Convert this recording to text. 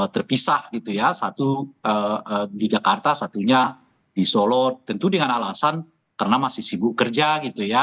terpisah gitu ya satu di jakarta satunya di solo tentu dengan alasan karena masih sibuk kerja gitu ya